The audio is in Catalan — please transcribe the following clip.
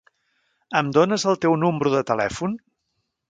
Em dones el teu número de telèfon?